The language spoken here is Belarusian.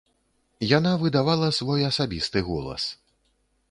Яна выдавала свой асабісты голас.